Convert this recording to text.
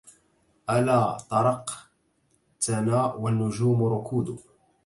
ألا طرقتنا والنجوم ركود